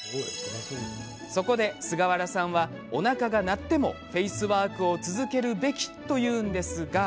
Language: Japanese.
そこで、菅原さんはおなかが鳴ってもフェイスワークを続けるべきというんですが。